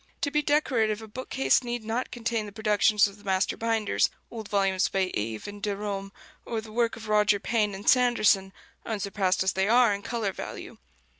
To be decorative, a bookcase need not contain the productions of the master binders, old volumes by Eve and Derôme, or the work of Roger Payne and Sanderson, unsurpassed as they are in color value.